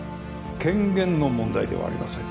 権限の問題ではありません。